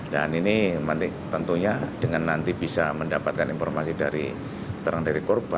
dan ini tentunya dengan nanti bisa mendapatkan informasi dari seterang dari korban